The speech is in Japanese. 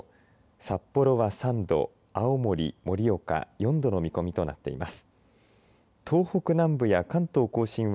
札幌は３度、青森、盛岡４度の見込みとなっています。